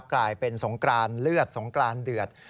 กลายเป็นสงกรานเลือดสงกรานเดือด